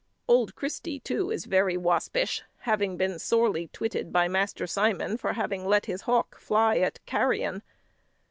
Old Christy, too, is very waspish, having been sorely twitted by Master Simon for having let his hawk fly at carrion.